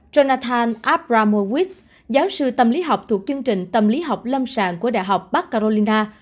jonathan abramowit giáo sư tâm lý học thuộc chương trình tâm lý học lâm sàng của đại học bắc carolina